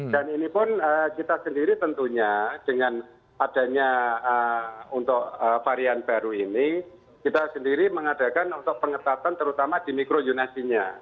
dan ini pun kita sendiri tentunya dengan adanya untuk varian baru ini kita sendiri mengadakan untuk pengetatan terutama di mikro yunasinya